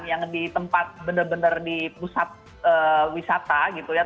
yang di tempat benar benar di pusat wisata gitu ya